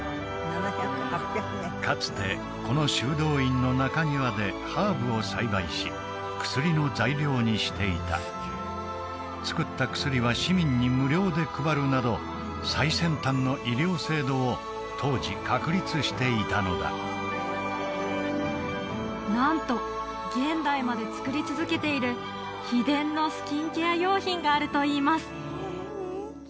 かつてこの修道院の中庭でハーブを栽培し薬の材料にしていた作った薬は市民に無料で配るなど最先端の医療制度を当時確立していたのだなんと現代まで作り続けている秘伝のスキンケア用品があるといいます